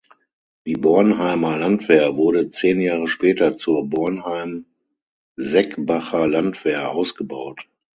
Die Bornheimer Landwehr wurde zehn Jahre später zur "Bornheim-Seckbacher Landwehr" ausgebaut.